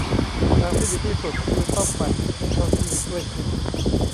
ทางที่ดีที่สุดคือซ่อมมันให้เข้าที่ด้วยคลิป